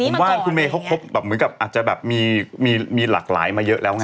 ผมว่าคุณเมย์เขาคบแบบเหมือนกับอาจจะแบบมีหลากหลายมาเยอะแล้วไง